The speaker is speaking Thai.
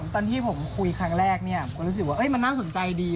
ตอนที่ผมคุยครั้งแรกผมก็รู้สึกว่ามันน่าสนใจดี